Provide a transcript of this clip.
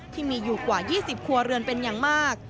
ที่มีอยู่กว่า๒๐ครัวเรือนเป็นอย่างมาก